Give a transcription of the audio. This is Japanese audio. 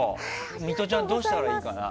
ミトちゃんどうしたらいいのかな？